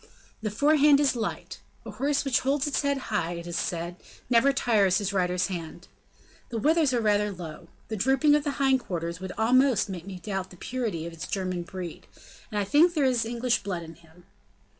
The forehand is light. A horse which holds its head high, it is said, never tires his rider's hand. The withers are rather low. The drooping of the hind quarters would almost make me doubt the purity of its German breed, and I think there is English blood in him.